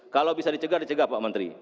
kalau bisa dicegah dicegah pak menteri